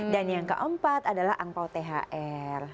dan yang keempat adalah angpao thr